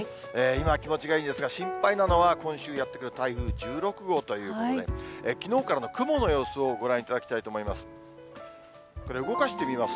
今、気持ちがいいんですが、心配なのは今週やって来る台風１６号ということで、きのうからの雲の様子をご覧いただきたいと思います。